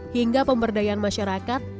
hingga pemberdayaan masyarakat